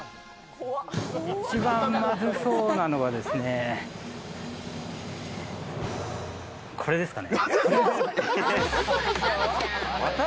一番まずそうなのはですね、これですかね。